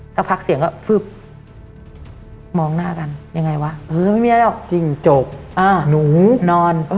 สักพักเสียงก็ฟึบมองหน้ากันยังไงวะเออไม่มีอะไรหรอกจิ้งจกหนูนอน